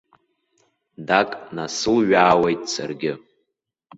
Дак насылҩаауеит саргьы.